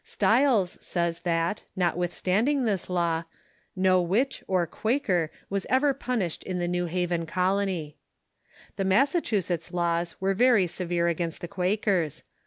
Stiles says that, not withstanding this law, no Avitch or Quaker was ever punished in the New Haven Colony. The Massachusetts laws were very severe against the Quakers.